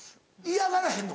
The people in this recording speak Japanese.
嫌がらへんの？